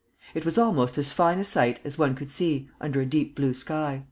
It was almost as fine a sight as one could see, under a deep blue sky."